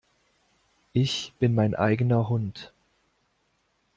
Ich bin mein eigener Hund.